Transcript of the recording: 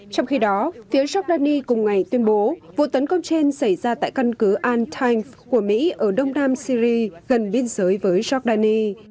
trong khi đó phía giordani cùng ngày tuyên bố vụ tấn công trên xảy ra tại căn cứ al tanf của mỹ ở đông nam syri gần biên giới với giordani